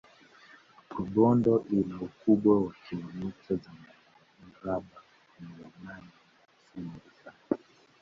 rubondo ina ukubwa wa kilomita za mraba mia nne na hamsini na saba